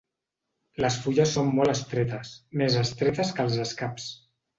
Les fulles són molt estretes, més estretes que els escaps.